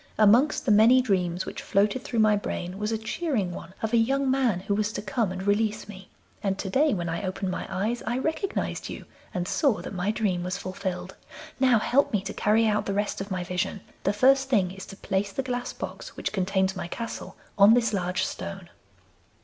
Amongst the many dreams which floated through my brain was a cheering one of a young man who was to come and release me, and to day, when I opened my eyes, I recognised you and saw that my dream was fulfilled. Now help me to carry out the rest of my vision. The first thing is to place the glass box which contains my castle on this large stone.